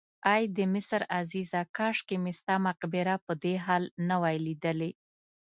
ای د مصر عزیزه کاشکې مې ستا مقبره په دې حال نه وای لیدلې.